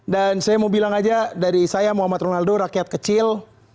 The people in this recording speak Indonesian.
dan saya mau bilang aja dari saya muhammad ronaldo rakyat kecil